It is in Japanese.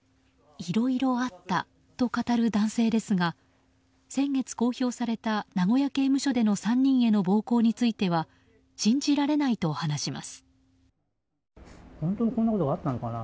いろいろあったと語る男性ですが先月公表された名古屋刑務所での３人への暴行については信じられないと話します。